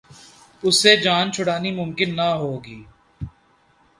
اس سے جان چھڑانی ممکن نہ ہوگی۔